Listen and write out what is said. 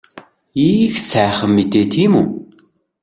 Их сайхан мэдээ тийм үү?